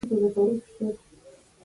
پهلوانۍ، مستۍ او بګتۍ ورته وایي.